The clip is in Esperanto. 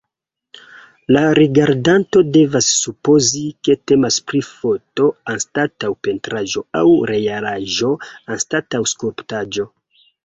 La rigardanto devas supozi, ke temas pri foto anstataŭ pentraĵo aŭ realaĵo anstataŭ skulptaĵo.